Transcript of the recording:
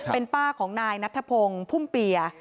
เป็นป้าของนายนัทธพงศ์พุ่มเปีย